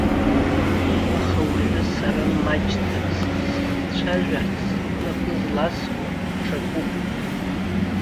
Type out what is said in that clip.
Аха уажәы сара маҷӡак сзыхцәажәарц напы зласкуа аҽакуп.